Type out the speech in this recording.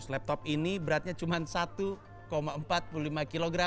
laptop ini beratnya cuma satu empat puluh lima kg